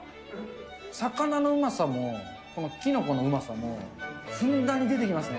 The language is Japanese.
魚のうまさも、このきのこのうまさも、ふんだんに出てきますね。